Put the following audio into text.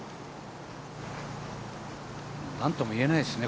何とも言えないですね